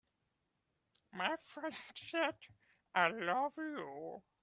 My friend said: "I love you.